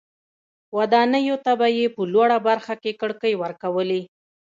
ودانیو ته به یې په لوړه برخه کې کړکۍ ورکولې.